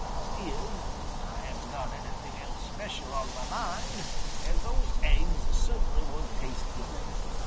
Still, Ah haven't got anything else special on mah mind, and those aiggs cert'nly would taste good.